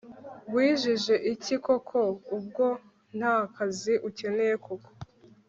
wijijije iki koko ubwo ntakazi ukeneye koko